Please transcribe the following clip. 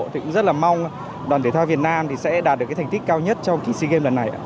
thì cũng rất là mong đoàn thể thao việt nam sẽ đạt được thành tích cao nhất trong sea games lần này